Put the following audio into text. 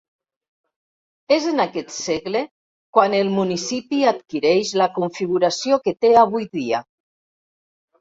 És en aquest segle quan el municipi adquireix la configuració que té avui dia.